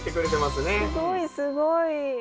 すごいすごい。